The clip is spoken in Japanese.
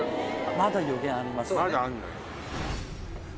まだ予言あります。